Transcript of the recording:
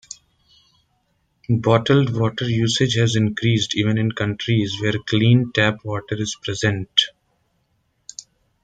Bottled water usage has increased even in countries where clean tap water is present.